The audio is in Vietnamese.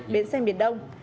bến xe miền đông